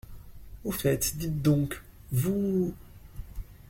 Au fait, dites donc, vous…